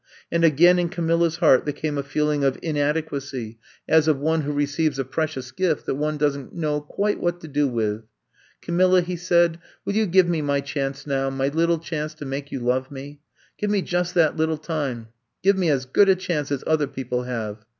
And again in Camilla's heart there came a feeling of inadequacy as of I'VE COMB TO STAY 153 one who receives a precious gift that one does n't know quite what to do with. Camilla/' he said, will you give me my chance now, my little chance to make you love me ? Give me just that little time ; give me as good a chance as other people have."